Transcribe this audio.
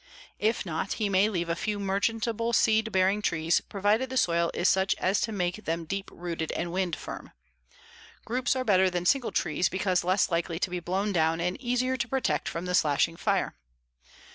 If not, he may leave a few merchantable seed bearing trees provided the soil is such as to make them deep rooted and wind firm. Groups are better than single trees because less likely to be blown down and easier to protect from the slashing fire.